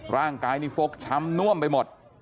ร่างกายนี่ฟกช้ำน่วมไปหมด